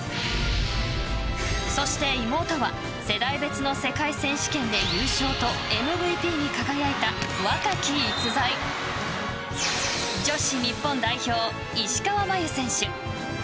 そして、妹は世代別の世界選手権で優勝とＭＶＰに輝いた若き逸材女子日本代表、石川真佑選手。